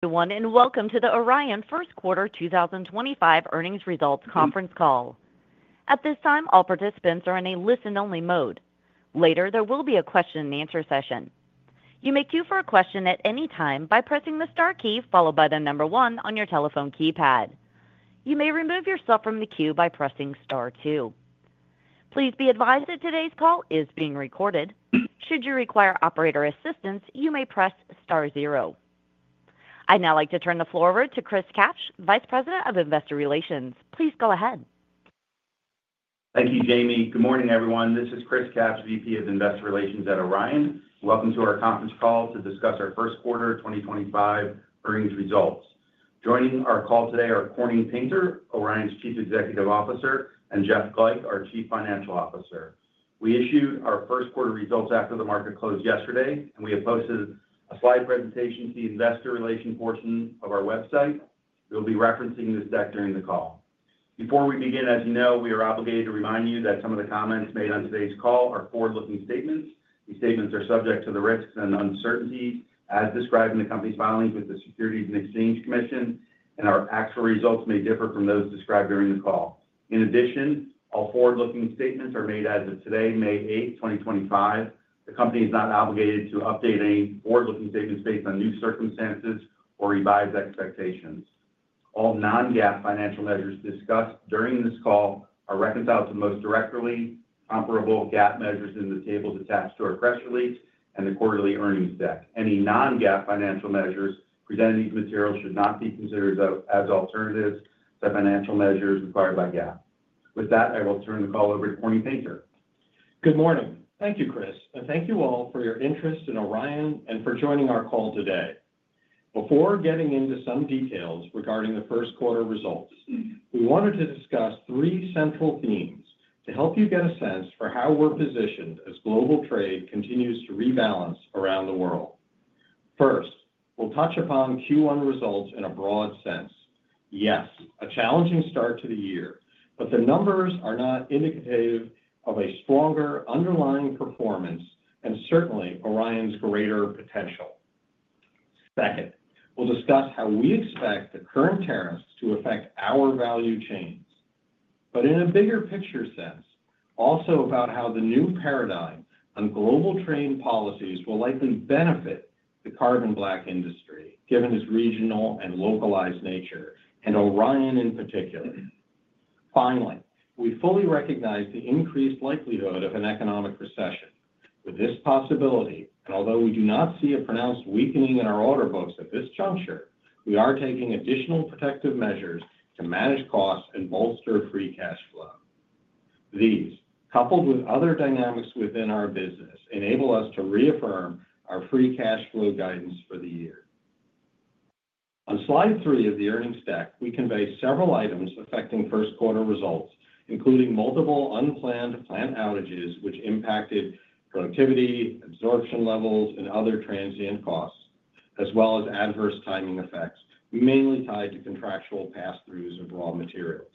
Everyone, and welcome to the Orion First Quarter 2025 earnings results conference call. At this time, all participants are in a listen-only mode. Later, there will be a question-and-answer session. You may queue for a question at any time by pressing the star key followed by the number one on your telephone keypad. You may remove yourself from the queue by pressing star two. Please be advised that today's call is being recorded. Should you require operator assistance, you may press star zero. I'd now like to turn the floor over to Chris Kapsch, Vice President of Investor Relations. Please go ahead. Thank you, Jamie. Good morning, everyone. This is Chris Kapsch, VP of Investor Relations at Orion. Welcome to our conference call to discuss our first quarter 2025 earnings results. Joining our call today are Corning Painter, Orion's Chief Executive Officer, and Jeff Glajch, our Chief Financial Officer. We issued our first quarter results after the market closed yesterday, and we have posted a slide presentation to the investor relations portion of our website. We'll be referencing this deck during the call. Before we begin, as you know, we are obligated to remind you that some of the comments made on today's call are forward-looking statements. These statements are subject to the risks and uncertainties as described in the company's filings with the Securities and Exchange Commission, and our actual results may differ from those described during the call. In addition, all forward-looking statements are made as of today, May 8th, 2025. The company is not obligated to update any forward-looking statements based on new circumstances or revise expectations. All non-GAAP financial measures discussed during this call are reconciled to most directly comparable GAAP measures in the tables attached to our press release and the quarterly earnings deck. Any non-GAAP financial measures presented in these materials should not be considered as alternatives to financial measures required by GAAP. With that, I will turn the call over to Corning Painter. Good morning. Thank you, Chris, and thank you all for your interest in Orion and for joining our call today. Before getting into some details regarding the first quarter results, we wanted to discuss three central themes to help you get a sense for how we're positioned as global trade continues to rebalance around the world. First, we'll touch upon Q1 results in a broad sense. Yes, a challenging start to the year, but the numbers are not indicative of a stronger underlying performance and certainly Orion's greater potential. Second, we'll discuss how we expect the current tariffs to affect our value chains, but in a bigger picture sense, also about how the new paradigm on global trade policies will likely benefit the carbon black industry given its regional and localized nature and Orion in particular. Finally, we fully recognize the increased likelihood of an economic recession. With this possibility, and although we do not see a pronounced weakening in our order books at this juncture, we are taking additional protective measures to manage costs and bolster free cash flow. These, coupled with other dynamics within our business, enable us to reaffirm our free cash flow guidance for the year. On slide three of the earnings deck, we convey several items affecting first quarter results, including multiple unplanned plant outages which impacted productivity, absorption levels, and other transient costs, as well as adverse timing effects mainly tied to contractual pass-throughs of raw materials.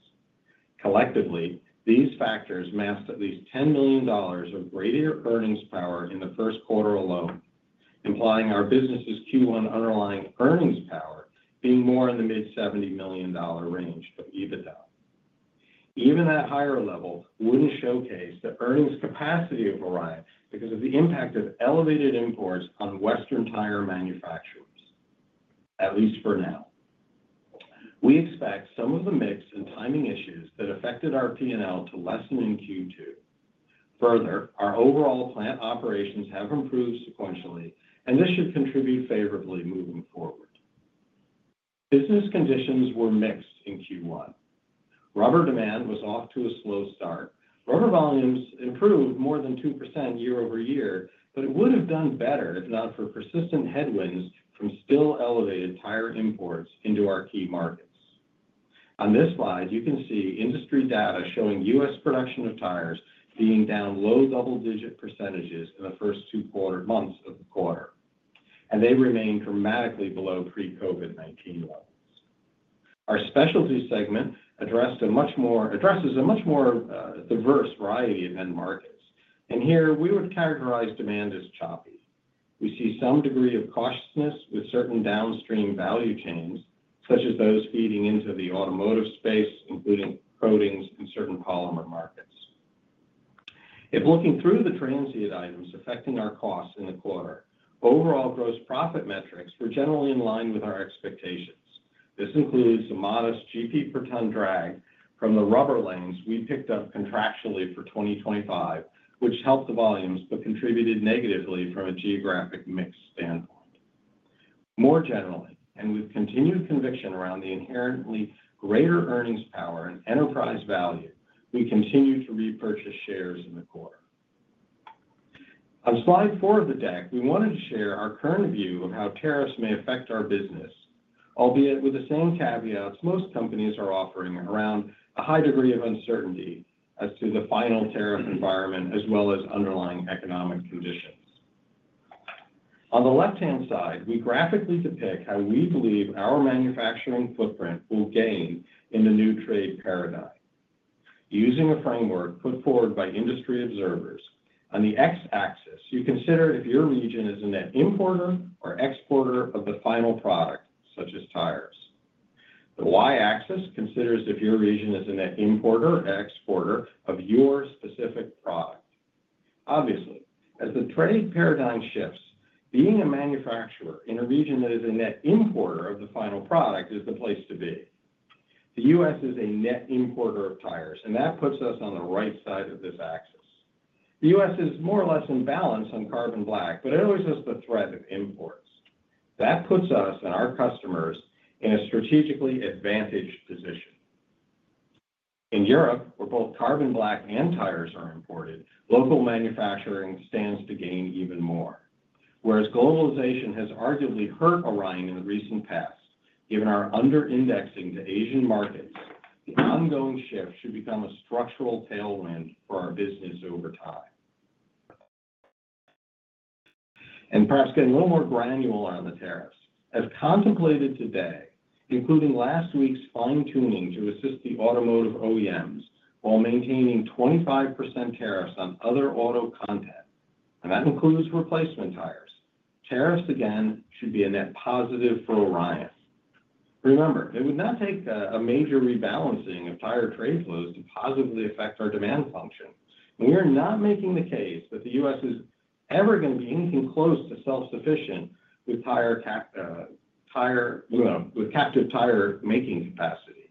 Collectively, these factors masked at least $10 million of greater earnings power in the first quarter alone, implying our business's Q1 underlying earnings power being more in the mid-$70 million range of EBITDA. Even at a higher level, it would not showcase the earnings capacity of Orion because of the impact of elevated imports on Western tire manufacturers, at least for now. We expect some of the mix and timing issues that affected our P&L to lessen in Q2. Further, our overall plant operations have improved sequentially, and this should contribute favorably moving forward. Business conditions were mixed in Q1. Rubber demand was off to a slow start. Rubber volumes improved more than 2% year-over-year, but it would have done better if not for persistent headwinds from still elevated tire imports into our key markets. On this slide, you can see industry data showing U.S. production of tires being down low double-digit percentages in the first two months of the quarter, and they remain dramatically below pre-COVID-19 levels. Our specialty segment addressed a much more diverse variety of end markets, and here we would characterize demand as choppy. We see some degree of cautiousness with certain downstream value chains, such as those feeding into the automotive space, including coatings and certain polymer markets. If looking through the transient items affecting our costs in the quarter, overall gross profit metrics were generally in line with our expectations. This includes a modest GP per ton drag from the rubber lanes we picked up contractually for 2025, which helped the volumes but contributed negatively from a geographic mix standpoint. More generally, and with continued conviction around the inherently greater earnings power and enterprise value, we continue to repurchase shares in the quarter. On slide IV of the deck, we wanted to share our current view of how tariffs may affect our business, albeit with the same caveats most companies are offering around a high degree of uncertainty as to the final tariff environment as well as underlying economic conditions. On the left-hand side, we graphically depict how we believe our manufacturing footprint will gain in the new trade paradigm using a framework put forward by industry observers. On the X-axis, you consider if your region is a net importer or exporter of the final product, such as tires. The Y-axis considers if your region is a net importer or exporter of your specific product. Obviously, as the trade paradigm shifts, being a manufacturer in a region that is a net importer of the final product is the place to be. The U.S. is a net importer of tires, and that puts us on the right side of this axis. The U.S. is more or less in balance on carbon black, but it always has the threat of imports. That puts us and our customers in a strategically advantaged position. In Europe, where both carbon black and tires are imported, local manufacturing stands to gain even more. Whereas globalization has arguably hurt Orion in the recent past, given our under-indexing to Asian markets, the ongoing shift should become a structural tailwind for our business over time. Perhaps getting a little more granular on the tariffs. As contemplated today, including last week's fine-tuning to assist the automotive OEMs while maintaining 25% tariffs on other auto content, and that includes replacement tires, tariffs again should be a net positive for Orion. Remember, it would not take a major rebalancing of tire trade flows to positively affect our demand function, and we are not making the case that the U.S. is ever going to be anything close to self-sufficient with captive tire-making capacity.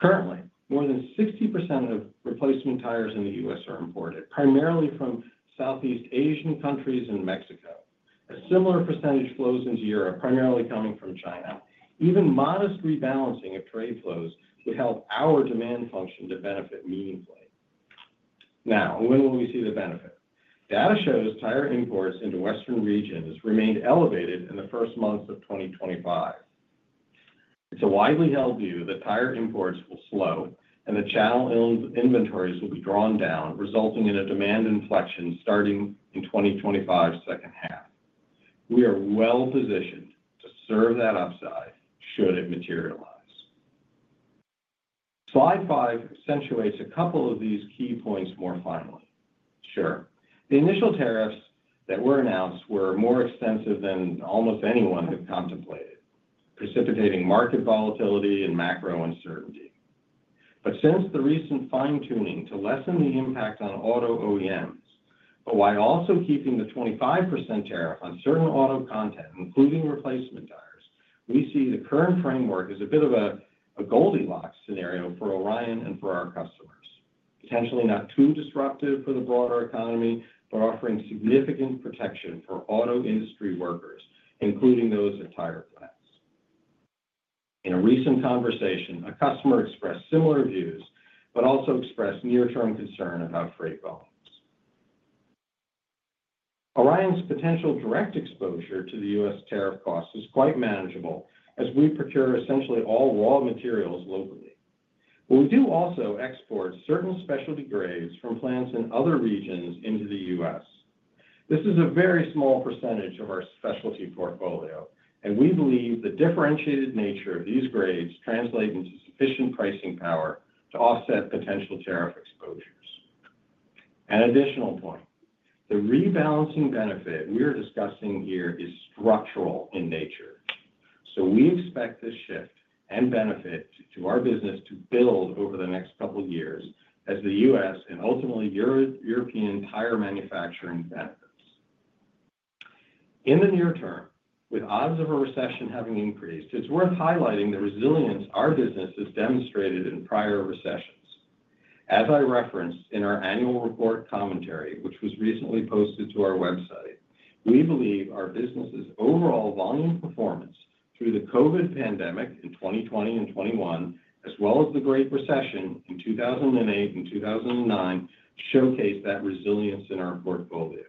Currently, more than 60% of replacement tires in the U.S. are imported, primarily from Southeast Asian countries and Mexico. A similar percentage flows into Europe, primarily coming from China. Even modest rebalancing of trade flows would help our demand function to benefit meaningfully. Now, when will we see the benefit? Data shows tire imports into Western regions remained elevated in the first months of 2025. It's a widely held view that tire imports will slow and that channel inventories will be drawn down, resulting in a demand inflection starting in 2025's second half. We are well positioned to serve that upside should it materialize. Slide V accentuates a couple of these key points more finely. Sure, the initial tariffs that were announced were more extensive than almost anyone had contemplated, precipitating market volatility and macro uncertainty. Since the recent fine-tuning to lessen the impact on auto OEMs, while also keeping the 25% tariff on certain auto content, including replacement tires, we see the current framework as a bit of a Goldilocks scenario for Orion and for our customers. Potentially not too disruptive for the broader economy, but offering significant protection for auto industry workers, including those at tire plants. In a recent conversation, a customer expressed similar views but also expressed near-term concern about freight volumes. Orion's potential direct exposure to the U.S. tariff costs is quite manageable as we procure essentially all raw materials locally. We do also export certain specialty grades from plants in other regions into the U.S. This is a very small percentage of our specialty portfolio, and we believe the differentiated nature of these grades translates into sufficient pricing power to offset potential tariff exposures. An additional point, the rebalancing benefit we are discussing here is structural in nature. We expect this shift and benefit to our business to build over the next couple of years as the U.S. and ultimately European tire manufacturing benefits. In the near term, with odds of a recession having increased, it's worth highlighting the resilience our business has demonstrated in prior recessions. As I referenced in our annual report commentary, which was recently posted to our website, we believe our business's overall volume performance through the COVID pandemic in 2020 and 2021, as well as the Great Recession in 2008 and 2009, showcased that resilience in our portfolio.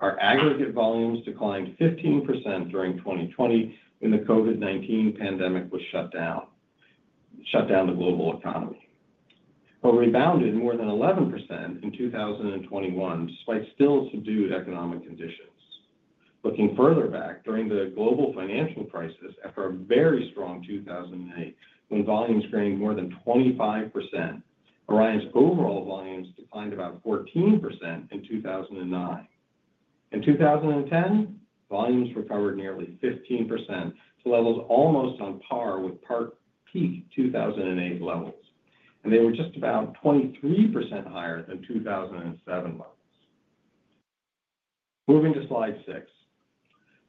Our aggregate volumes declined 15% during 2020 when the COVID-19 pandemic was shut down the global economy, but rebounded more than 11% in 2021 despite still subdued economic conditions. Looking further back, during the global financial crisis after a very strong 2008, when volumes gained more than 25%, Orion's overall volumes declined about 14% in 2009. In 2010, volumes recovered nearly 15% to levels almost on par with peak 2008 levels, and they were just about 23% higher than 2007 levels. Moving to slide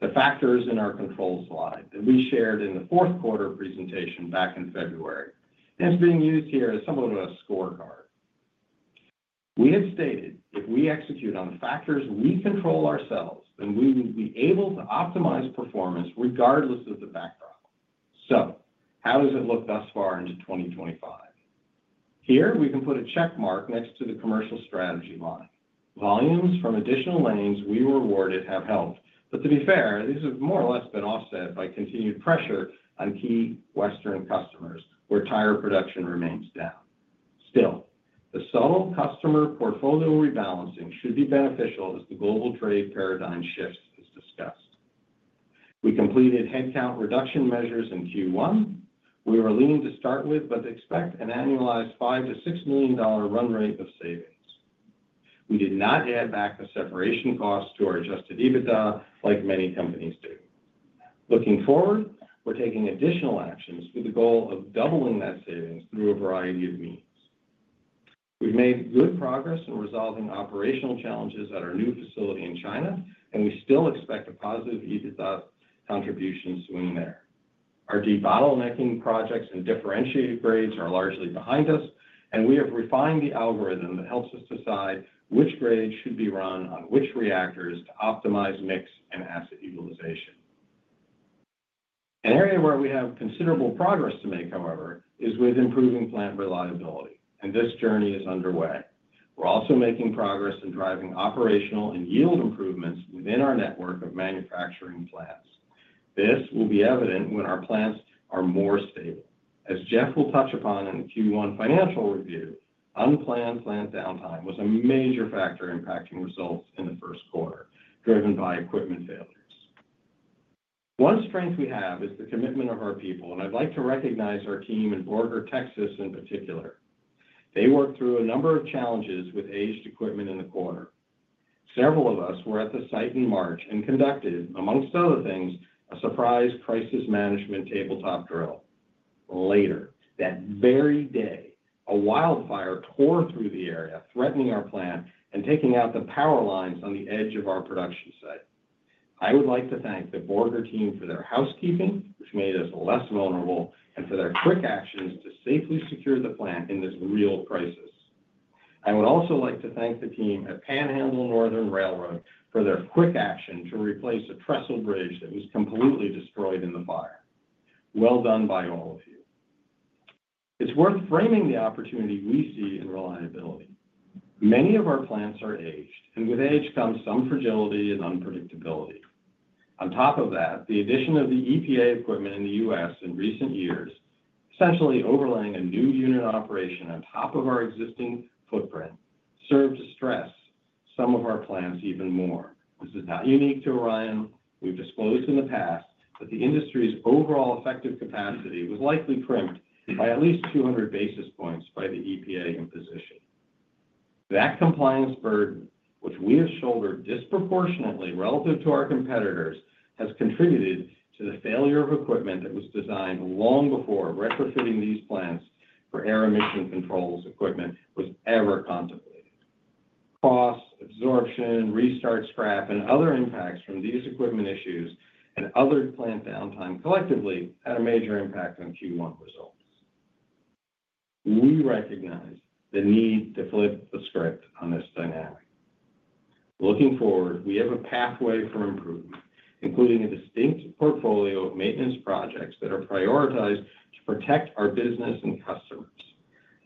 VI, the factors in our control slide that we shared in the fourth quarter presentation back in February. It's being used here as somewhat of a scorecard. We had stated if we execute on the factors we control ourselves, then we will be able to optimize performance regardless of the back problem. So how does it look thus far into 2025? Here we can put a check mark next to the commercial strategy line. Volumes from additional lanes we were awarded have helped, but to be fair, these have more or less been offset by continued pressure on key Western customers where tire production remains down. Still, the subtle customer portfolio rebalancing should be beneficial as the global trade paradigm shifts is discussed. We completed headcount reduction measures in Q1. We were lean to start with, but expect an annualized $5-$6 million run rate of savings. We did not add back the separation costs to our adjusted EBITDA like many companies do. Looking forward, we're taking additional actions with the goal of doubling that savings through a variety of means. We've made good progress in resolving operational challenges at our new facility in China, and we still expect a positive EBITDA contribution soon there. Our debottlenecking projects and differentiated grades are largely behind us, and we have refined the algorithm that helps us decide which grades should be run on which reactors to optimize mix and asset utilization. An area where we have considerable progress to make, however, is with improving plant reliability, and this journey is underway. We're also making progress in driving operational and yield improvements within our network of manufacturing plants. This will be evident when our plants are more stable. As Jeff will touch upon in the Q1 financial review, unplanned plant downtime was a major factor impacting results in the first quarter, driven by equipment failures. One strength we have is the commitment of our people, and I'd like to recognize our team in Borger, Texas in particular. They worked through a number of challenges with aged equipment in the quarter. Several of us were at the site in March and conducted, amongst other things, a surprise crisis management tabletop drill. Later, that very day, a wildfire tore through the area, threatening our plant and taking out the power lines on the edge of our production site. I would like to thank the Borger team for their housekeeping, which made us less vulnerable, and for their quick actions to safely secure the plant in this real crisis. I would also like to thank the team at Panhandle Northern Railroad for their quick action to replace a trestle bridge that was completely destroyed in the fire. Well done by all of you. It is worth framing the opportunity we see in reliability. Many of our plants are aged, and with age comes some fragility and unpredictability. On top of that, the addition of the EPA equipment in the U.S. In recent years, essentially overlaying a new unit operation on top of our existing footprint served to stress some of our plants even more. This is not unique to Orion. We've disclosed in the past that the industry's overall effective capacity was likely crimped by at least 200 basis points by the EPA imposition. That compliance burden, which we have shouldered disproportionately relative to our competitors, has contributed to the failure of equipment that was designed long before retrofitting these plants for air emission control's equipment was ever contemplated. Costs, absorption, restart scrap, and other impacts from these equipment issues and other plant downtime collectively had a major impact on Q1 results. We recognize the need to flip the script on this dynamic. Looking forward, we have a pathway for improvement, including a distinct portfolio of maintenance projects that are prioritized to protect our business and customers.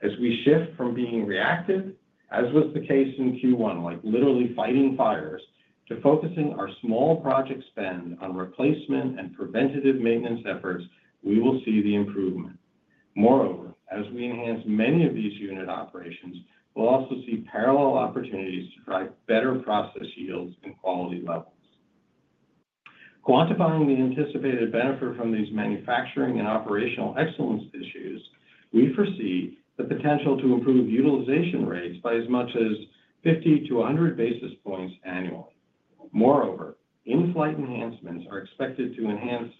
As we shift from being reactive, as was the case in Q1, like literally fighting fires, to focusing our small project spend on replacement and preventative maintenance efforts, we will see the improvement. Moreover, as we enhance many of these unit operations, we will also see parallel opportunities to drive better process yields and quality levels. Quantifying the anticipated benefit from these manufacturing and operational excellence issues, we foresee the potential to improve utilization rates by as much as 50-100 basis points annually. Moreover, in-flight enhancements are expected to enhance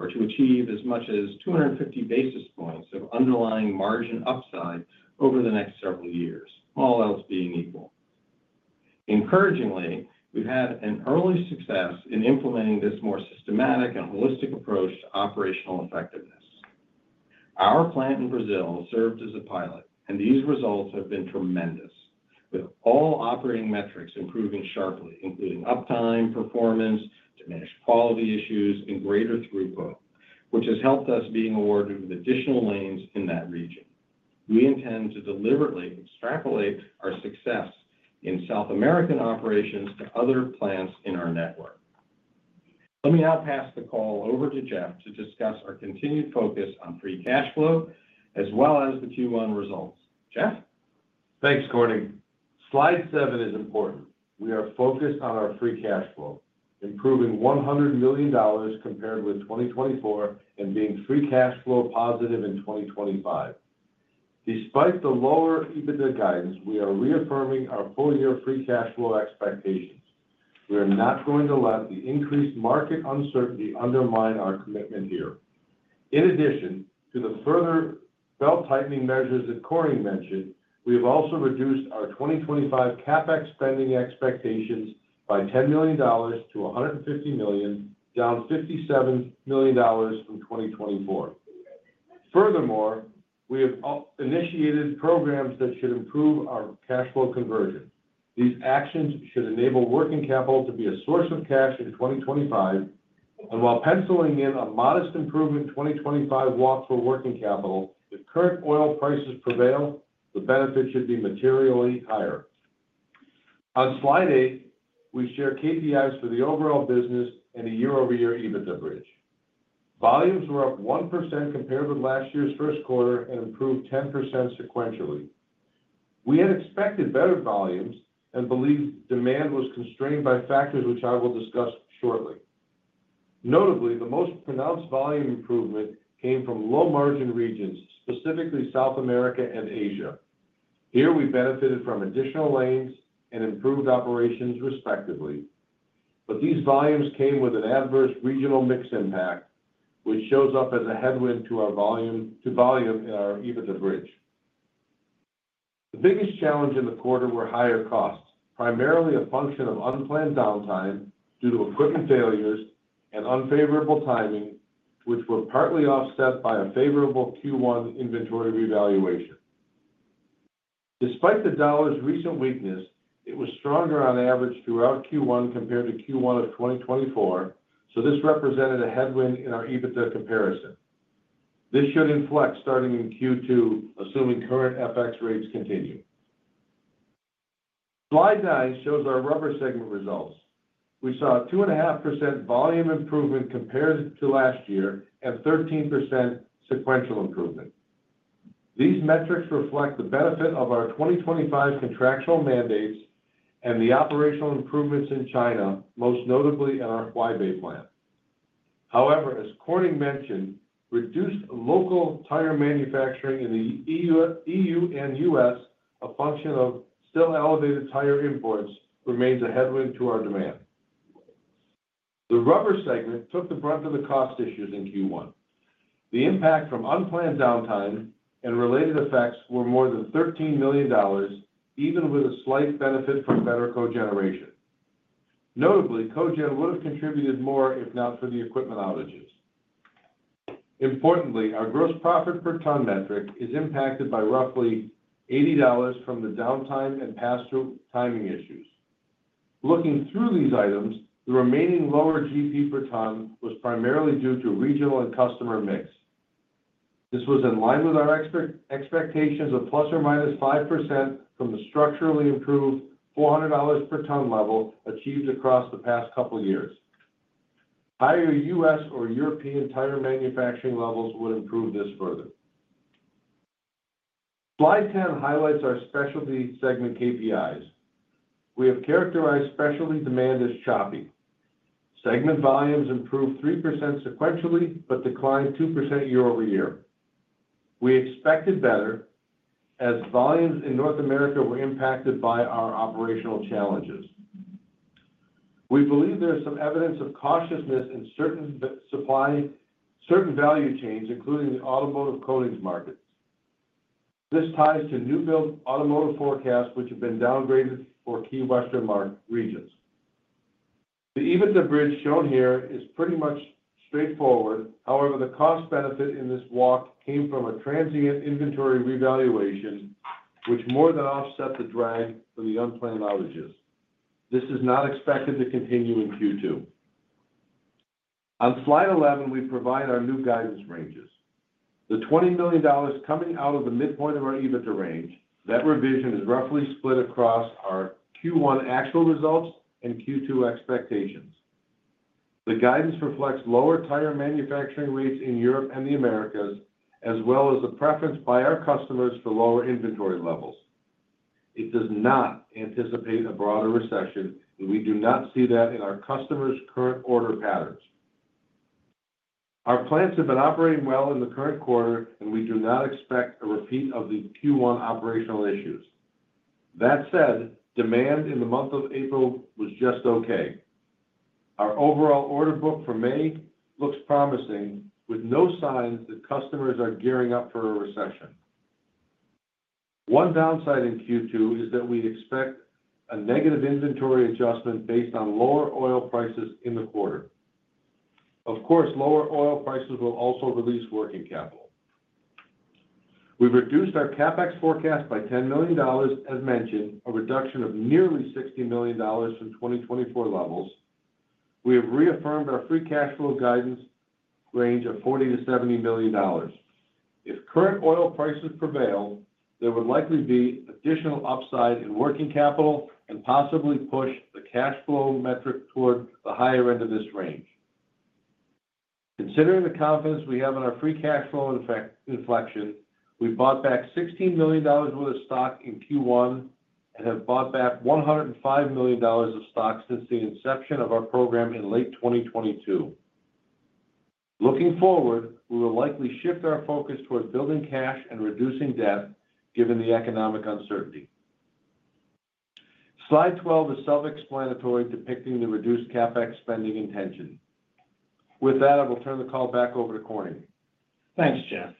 or to achieve as much as 250 basis points of underlying margin upside over the next several years, all else being equal. Encouragingly, we have had an early success in implementing this more systematic and holistic approach to operational effectiveness. Our plant in Brazil served as a pilot, and these results have been tremendous, with all operating metrics improving sharply, including uptime, performance, diminished quality issues, and greater throughput, which has helped us being awarded with additional lanes in that region. We intend to deliberately extrapolate our success in South American operations to other plants in our network. Let me now pass the call over to Jeff to discuss our continued focus on free cash flow as well as the Q1 results. Jeff? Thanks, Corning. Slide VII is important. We are focused on our free cash flow, improving $100 million compared with 2024 and being free cash flow positive in 2025. Despite the lower EBITDA guidance, we are reaffirming our full-year free cash flow expectations. We are not going to let the increased market uncertainty undermine our commitment here. In addition to the further belt-tightening measures that Corning mentioned, we have also reduced our 2025 CapEx spending expectations by $10 million-$150 million, down $57 million from 2024. Furthermore, we have initiated programs that should improve our cash flow conversion. These actions should enable working capital to be a source of cash in 2025, and while penciling in a modest improvement in 2025 walks for working capital, if current oil prices prevail, the benefit should be materially higher. On slide VIII, we share KPIs for the overall business and a year-over-year EBITDA bridge. Volumes were up 1% compared with last year's first quarter and improved 10% sequentially. We had expected better volumes and believed demand was constrained by factors which I will discuss shortly. Notably, the most pronounced volume improvement came from low-margin regions, specifically South America and Asia. Here, we benefited from additional lanes and improved operations respectively. These volumes came with an adverse regional mix impact, which shows up as a headwind to our volume in our EBITDA bridge. The biggest challenge in the quarter were higher costs, primarily a function of unplanned downtime due to equipment failures and unfavorable timing, which were partly offset by a favorable Q1 inventory revaluation. Despite the dollar's recent weakness, it was stronger on average throughout Q1 compared to Q1 of 2023, so this represented a headwind in our EBITDA comparison. This should inflect starting in Q2, assuming current FX rates continue. Slide IX shows our rubber segment results. We saw a 2.5% volume improvement compared to last year and 13% sequential improvement. These metrics reflect the benefit of our 2025 contractual mandates and the operational improvements in China, most notably in our Huaibei plant. However, as Corning mentioned, reduced local tire manufacturing in the EU and U.S., a function of still elevated tire imports, remains a headwind to our demand. The rubber segment took the brunt of the cost issues in Q1. The impact from unplanned downtime and related effects were more than $13 million, even with a slight benefit from better cogeneration. Notably, Cogen would have contributed more if not for the equipment outages. Importantly, our gross profit per ton metric is impacted by roughly $80 from the downtime and pass-through timing issues. Looking through these items, the remaining lower GP per ton was primarily due to regional and customer mix. This was in line with our expectations of ±5% from the structurally improved $400 per ton level achieved across the past couple of years. Higher U.S. or European tire manufacturing levels would improve this further. Slide X highlights our specialty segment KPIs. We have characterized specialty demand as choppy. Segment volumes improved 3% sequentially, but declined 2% year-over-year. We expected better as volumes in North America were impacted by our operational challenges. We believe there is some evidence of cautiousness in certain value chains, including the automotive coatings market. This ties to new-build automotive forecasts, which have been downgraded for key Western market regions. The EBITDA bridge shown here is pretty much straightforward. However, the cost benefit in this walk came from a transient inventory revaluation, which more than offset the drag for the unplanned outages. This is not expected to continue in Q2. On slide XI, we provide our new guidance ranges. The $20 million coming out of the midpoint of our EBITDA range, that revision is roughly split across our Q1 actual results and Q2 expectations. The guidance reflects lower tire manufacturing rates in Europe and the Americas, as well as the preference by our customers for lower inventory levels. It does not anticipate a broader recession, and we do not see that in our customers' current order patterns. Our plants have been operating well in the current quarter, and we do not expect a repeat of the Q1 operational issues. That said, demand in the month of April was just okay. Our overall order book for May looks promising, with no signs that customers are gearing up for a recession. One downside in Q2 is that we expect a negative inventory adjustment based on lower oil prices in the quarter. Of course, lower oil prices will also release working capital. We've reduced our CapEx forecast by $10 million, as mentioned, a reduction of nearly $60 million from 2024 levels. We have reaffirmed our free cash flow guidance range of $40-$70 million. If current oil prices prevail, there would likely be additional upside in working capital and possibly push the cash flow metric toward the higher end of this range. Considering the confidence we have in our free cash flow inflection, we bought back $16 million worth of stock in Q1 and have bought back $105 million of stock since the inception of our program in late 2022. Looking forward, we will likely shift our focus toward building cash and reducing debt, given the economic uncertainty. Slide XII is self-explanatory, depicting the reduced CapEx spending intention. With that, I will turn the call back over to Corning. Thanks, Jeff.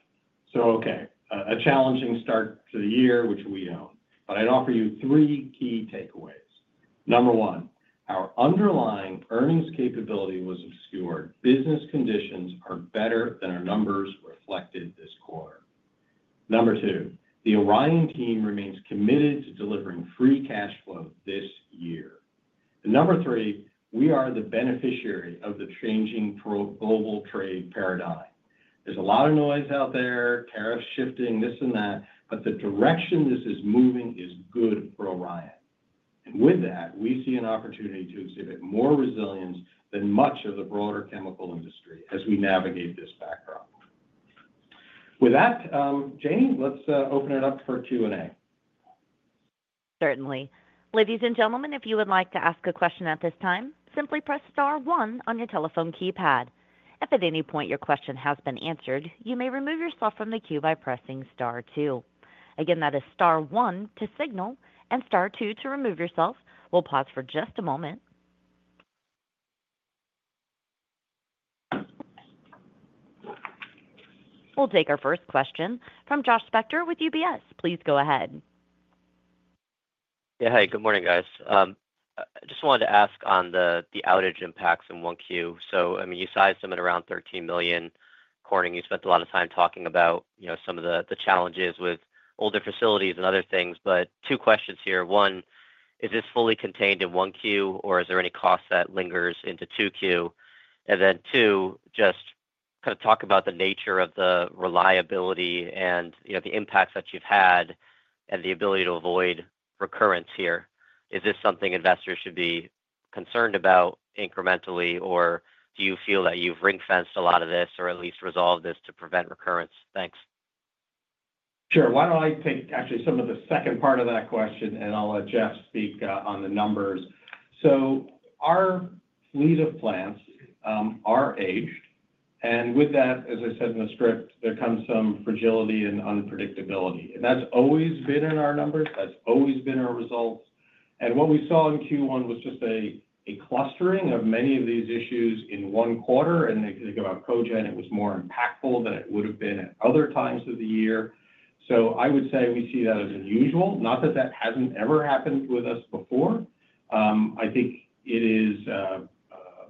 Okay, a challenging start to the year, which we own. I would offer you three key takeaways. Number one, our underlying earnings capability was obscured. Business conditions are better than our numbers reflected this quarter. Number two, the Orion team remains committed to delivering free cash flow this year. Number three, we are the beneficiary of the changing global trade paradigm. There is a lot of noise out there, tariffs shifting, this and that, but the direction this is moving is good for Orion. With that, we see an opportunity to exhibit more resilience than much of the broader chemical industry as we navigate this backdrop. With that, Jamie, let's open it up for Q&A. Certainly. Ladies and gentlemen, if you would like to ask a question at this time, simply press Star 1 on your telephone keypad. If at any point your question has been answered, you may remove yourself from the queue by pressing star two. Again, that is star one to signal and star two to remove yourself. We'll pause for just a moment. We'll take our first question from Josh Spector with UBS. Please go ahead. Yeah, hi, good morning, guys. I just wanted to ask on the outage impacts in 1Q. I mean, you sized them at around $13 million. Corning, you spent a lot of time talking about some of the challenges with older facilities and other things, but two questions here. One, is this fully contained in 1Q, or is there any cost that lingers into 2Q? And then two, just kind of talk about the nature of the reliability and the impacts that you've had and the ability to avoid recurrence here. Is this something investors should be concerned about incrementally, or do you feel that you've ring-fenced a lot of this or at least resolved this to prevent recurrence? Thanks. Sure. Why do not I take actually some of the second part of that question, and I will let Jeff speak on the numbers. Our fleet of plants are aged, and with that, as I said in the script, there comes some fragility and unpredictability. That has always been in our numbers. That has always been our result. What we saw in Q1 was just a clustering of many of these issues in one quarter. If you think about Cogen, it was more impactful than it would have been at other times of the year. I would say we see that as unusual, not that that has not ever happened with us before. I think it is,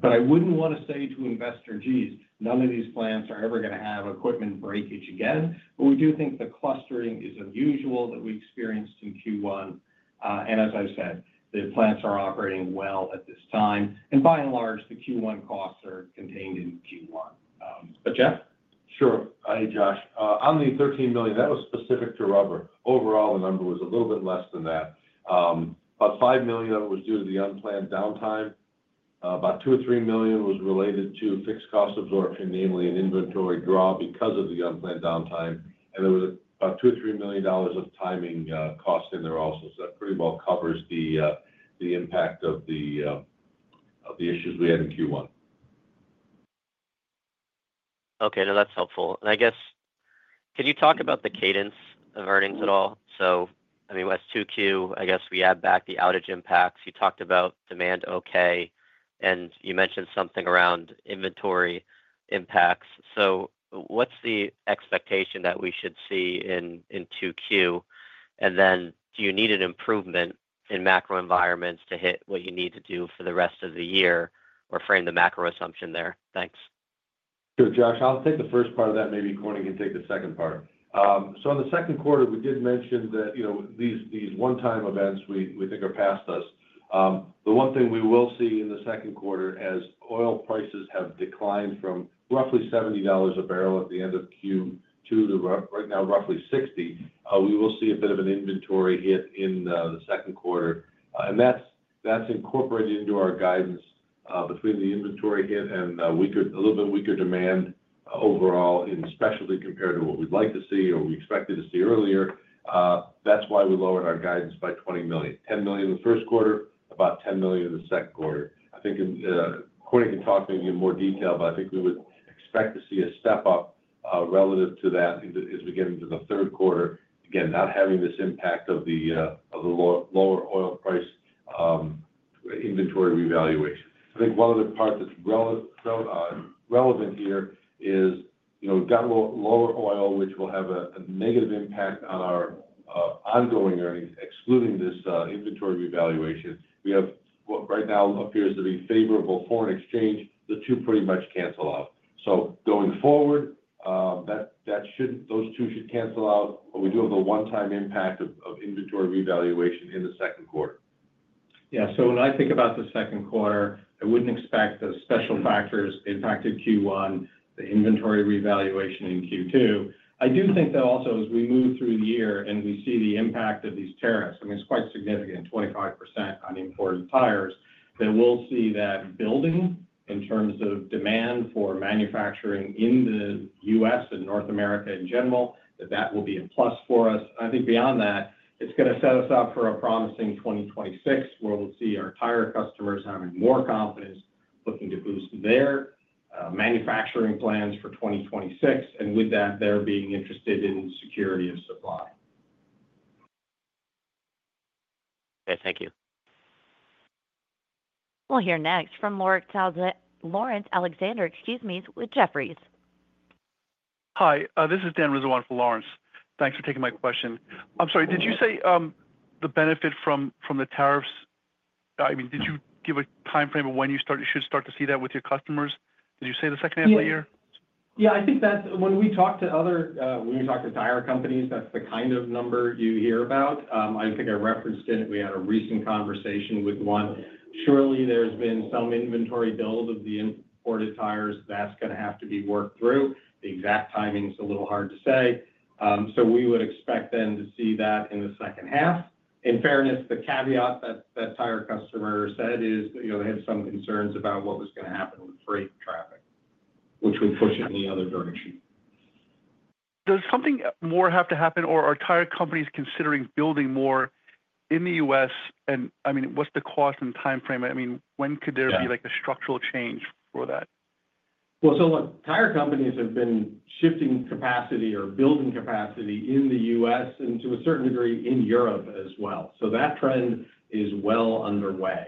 but I would not want to say to investors, "Geez, none of these plants are ever going to have equipment breakage again." We do think the clustering is unusual that we experienced in Q1. As I said, the plants are operating well at this time. By and large, the Q1 costs are contained in Q1. Jeff? Sure. Hi, Josh. On the $13 million, that was specific to rubber. Overall, the number was a little bit less than that. About $5 million of it was due to the unplanned downtime. About $2 or $3 million was related to fixed cost absorption, namely an inventory draw because of the unplanned downtime. There was about $2 or $3 million of timing costs in there also. That pretty well covers the impact of the issues we had in Q1. Okay. No, that's helpful. I guess, can you talk about the cadence of earnings at all? I mean, with 2Q, I guess we add back the outage impacts. You talked about demand okay, and you mentioned something around inventory impacts. What's the expectation that we should see in 2Q? And then do you need an improvement in macro environments to hit what you need to do for the rest of the year or frame the macro assumption there? Thanks. Sure, Josh. I'll take the first part of that. Maybe Corning can take the second part. In the second quarter, we did mention that these one-time events, we think, are past us. The one thing we will see in the second quarter, as oil prices have declined from roughly $70 a barrel at the end of Q2 to right now roughly $60, we will see a bit of an inventory hit in the second quarter. That's incorporated into our guidance between the inventory hit and a little bit weaker demand overall, especially compared to what we'd like to see or we expected to see earlier. That's why we lowered our guidance by $20 million. $10 million in the first quarter, about $10 million in the second quarter. I think Corning can talk maybe in more detail, but I think we would expect to see a step up relative to that as we get into the third quarter, again, not having this impact of the lower oil price inventory revaluation. I think one other part that's relevant here is we've got lower oil, which will have a negative impact on our ongoing earnings, excluding this inventory revaluation. We have what right now appears to be favorable foreign exchange. The two pretty much cancel out. Going forward, those two should cancel out, but we do have the one-time impact of inventory revaluation in the second quarter. Yeah. When I think about the second quarter, I would not expect the special factors that impacted Q1, the inventory revaluation, in Q2. I do think that also, as we move through the year and we see the impact of these tariffs, I mean, it is quite significant, 25% on imported tires, that we will see that building in terms of demand for manufacturing in the U.S. and North America in general, that that will be a plus for us. I think beyond that, it is going to set us up for a promising 2026, where we will see our tire customers having more confidence, looking to boost their manufacturing plans for 2026, and with that, they are being interested in security of supply. Thank you. We will hear next from Laurence Alexander, excuse me, with Jefferies. Hi. This is Dan Rizzo for Laurence. Thanks for taking my question. I am sorry. Did you say the benefit from the tariffs, I mean, did you give a timeframe of when you should start to see that with your customers? Did you say the second half of the year? Yeah. Yeah. I think that's when we talk to other, when we talk to tire companies, that's the kind of number you hear about. I think I referenced it. We had a recent conversation with one. Surely, there's been some inventory build of the imported tires. That's going to have to be worked through. The exact timing is a little hard to say. We would expect then to see that in the second half. In fairness, the caveat that that tire customer said is they had some concerns about what was going to happen with freight traffic, which would push it in the other direction. Does something more have to happen, or are tire companies considering building more in the U.S.? I mean, what's the cost and timeframe? I mean, when could there be a structural change for that? Tire companies have been shifting capacity or building capacity in the U.S. and to a certain degree in Europe as well. That trend is well underway.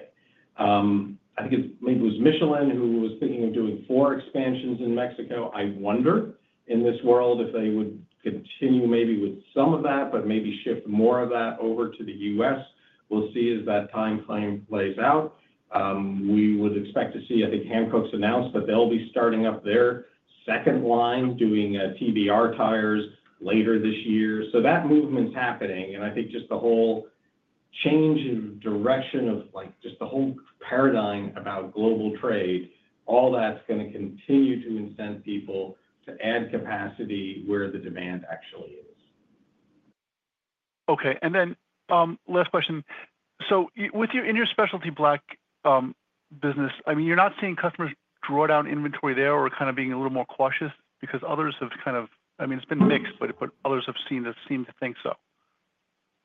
I think it was Michelin who was thinking of doing four expansions in Mexico. I wonder in this world if they would continue maybe with some of that, but maybe shift more of that over to the U.S. We'll see as that timeframe plays out. We would expect to see, I think, Hankook's announced that they'll be starting up their second line doing TBR tires later this year. That movement's happening. I think just the whole change in direction of just the whole paradigm about global trade, all that's going to continue to incent people to add capacity where the demand actually is. Okay. Last question. In your specialty black business, I mean, you're not seeing customers draw down inventory there or kind of being a little more cautious because others have kind of, I mean, it's been mixed, but others have seemed to think so.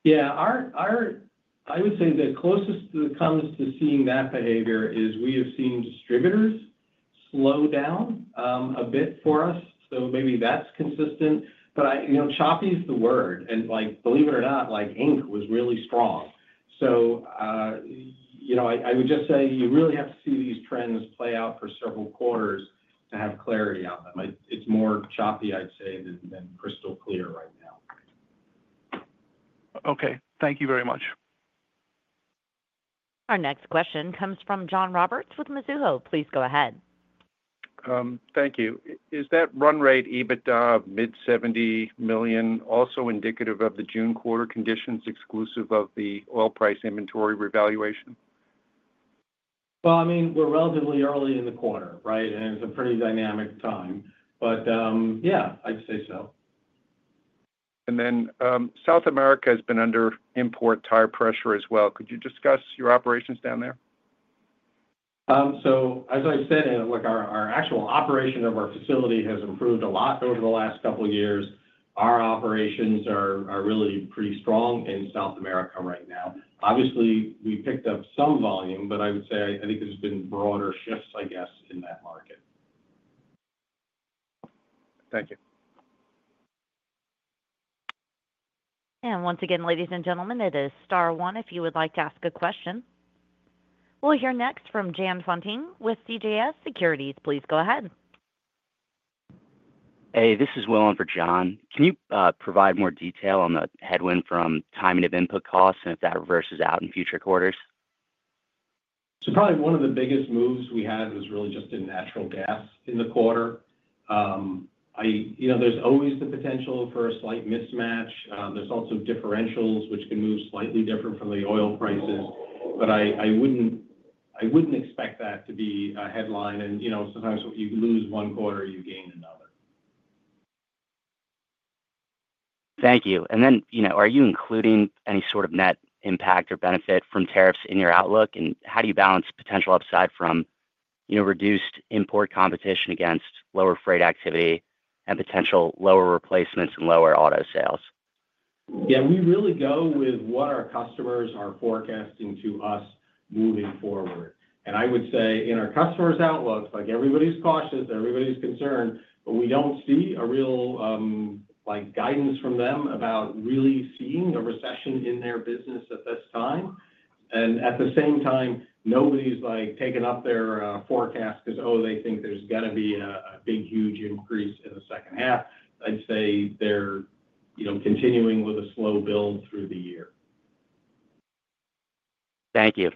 Yeah. I would say the closest that comes to seeing that behavior is we have seen distributors slow down a bit for us. Maybe that's consistent. Choppy is the word. Believe it or not, ink was really strong. I would just say you really have to see these trends play out for several quarters to have clarity on them. It's more choppy, I'd say, than crystal clear right now. Okay. Thank you very much. Our next question comes from John Roberts with Mizuho. Please go ahead. Thank you. Is that run rate EBITDA of mid-$70 million also indicative of the June quarter conditions exclusive of the oil price inventory revaluation? I mean, we're relatively early in the quarter, right? And it's a pretty dynamic time. Yeah, I'd say so. South America has been under import tire pressure as well. Could you discuss your operations down there? As I said, our actual operation of our facility has improved a lot over the last couple of years. Our operations are really pretty strong in South America right now. Obviously, we picked up some volume, but I would say I think there's been broader shifts, I guess, in that market. Thank you. Once again, ladies and gentlemen, it is star one if you would like to ask a question. We'll hear next from Jon Tanwanteng with CJS Securities. Please go ahead. Hey, this is Will in for Jon. Can you provide more detail on the headwind from timing of input costs and if that reverses out in future quarters? Probably one of the biggest moves we had was really just in natural gas in the quarter. There's always the potential for a slight mismatch. There's also differentials, which can move slightly different from the oil prices. I wouldn't expect that to be a headline. Sometimes you lose one quarter, you gain another. Thank you. Are you including any sort of net impact or benefit from tariffs in your outlook? How do you balance potential upside from reduced import competition against lower freight activity and potential lower replacements and lower auto sales? Yeah. We really go with what our customers are forecasting to us moving forward. I would say in our customers' outlook, everybody's cautious, everybody's concerned, but we don't see a real guidance from them about really seeing a recession in their business at this time. At the same time, nobody's taken up their forecast because, oh, they think there's going to be a big, huge increase in the second half. I'd say they're continuing with a slow build through the year. Thank you.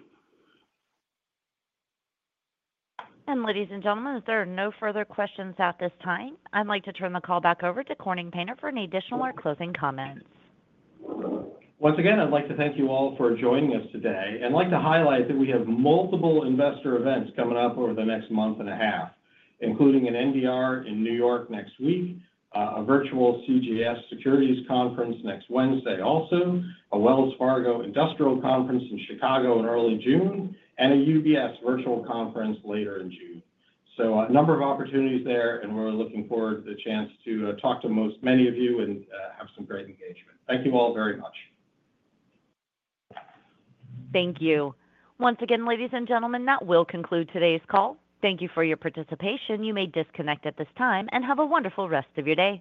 Ladies and gentlemen, if there are no further questions at this time, I'd like to turn the call back over to Corning Painter for any additional or closing comments. Once again, I'd like to thank you all for joining us today. I would like to highlight that we have multiple investor events coming up over the next month and a half, including an NDR in New York next week, a virtual CJS Securities Conference next Wednesday also, a Wells Fargo Industrial Conference in Chicago in early June, and a UBS Virtual Conference later in June. There are a number of opportunities there, and we are looking forward to the chance to talk to many of you and have some great engagement. Thank you all very much. Thank you. Once again, ladies and gentlemen, that will conclude today's call. Thank you for your participation. You may disconnect at this time and have a wonderful rest of your day.